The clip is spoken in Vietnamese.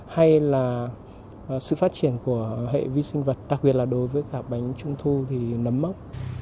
hay là sự phát triển của hệ vi sinh vật đặc biệt là đối với cả bánh trung thu thì nấm mốc